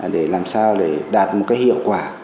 để làm sao để đạt một cái hiệu quả